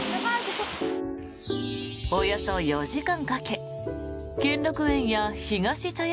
およそ４時間かけ兼六園やひがし茶屋